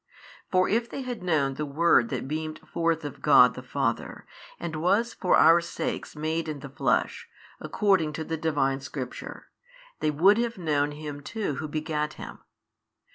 For if they had known the Word that beamed forth of God the Father, and was for our sakes made in the flesh, according to the Divine Scripture, they would have known Him too Who begat Him.